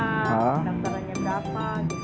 pendapatannya berapa gitu